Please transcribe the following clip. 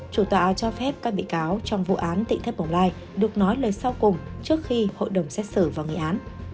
chủ tạo cho phép các bị cáo trong vụ án tỉnh thất bồng lai được nói lời sau cùng trước khi hội đồng xét xử vào nghị án